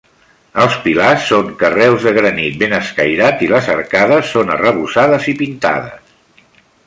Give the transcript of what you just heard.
Els pilars són carreus de granit ben escairat i les arcades són arrebossades i pintades.